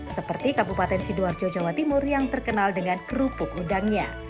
seperti kabupaten sidoarjo jawa timur yang terkenal dengan kerupuk udangnya